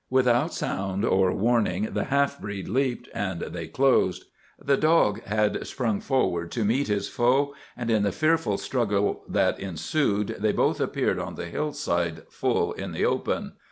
Without sound or warning the half breed leaped, and they closed. The dog had sprung forward to meet his foe, and in the fearful struggle that ensued they both appeared on the hill side, full in the open.